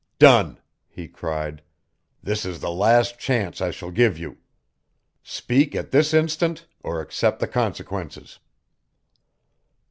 "Done!" he cried, "This is the last chance I shall give you. Speak at this instant or accept the consequences!"